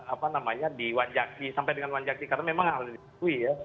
apa namanya diwanjaki sampai dengan diwanjaki karena memang alur diikui ya